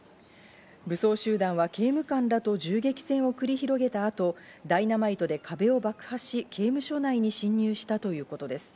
武装集団は刑務官らと銃撃戦を繰り広げた後、ダイナマイトで壁を爆破し、刑務所内に侵入したということです。